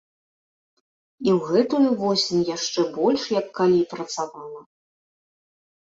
І ў гэтую восень яшчэ больш як калі працавала!